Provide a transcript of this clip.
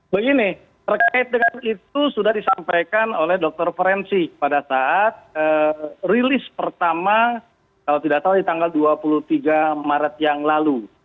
begini terkait dengan itu sudah disampaikan oleh dokter forensik pada saat rilis pertama kalau tidak salah di tanggal dua puluh tiga maret yang lalu